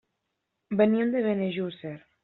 Venim de Benejússer.